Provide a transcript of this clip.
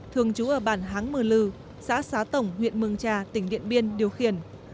thường trú ở bản háng mờ lư xã xá tổng huyện mường trà tỉnh điện biên điều khiển